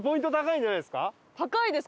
高いです